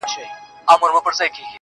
څنگه دې پر مخ د دنيا نم راغلی,